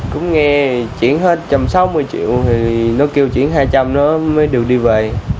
cũng nghe chuyển hết một trăm sáu mươi triệu thì nó kêu chuyển hai trăm linh nó mới được đi về